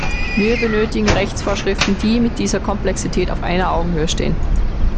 Wir benötigen Rechtsvorschriften, die mit dieser Komplexität auf einer Augenhöhe stehen.